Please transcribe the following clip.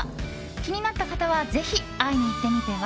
気になった方はぜひ会いに行ってみては？